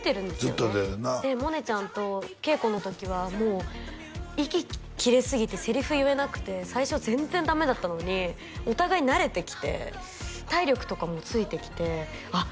ずっと出てるな萌音ちゃんと稽古の時はもう息切れすぎてセリフ言えなくて最初全然ダメだったのにお互い慣れてきて体力とかもついてきてあっ